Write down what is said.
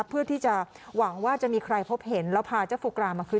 เพื่อที่จะหวังว่าจะมีใครพบเห็นแล้วพาเจ้าโฟกรามาคืน